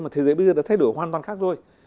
mà thế giới bây giờ đã thay đổi hoàn toàn khác rồi